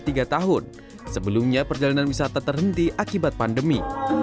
tiga tahun sebelumnya perjalanan wisata terhenti akibat pandemi